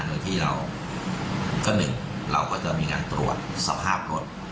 โดยที่เราก็หนึ่งเราก็จะมีการตรวจสภาพรถ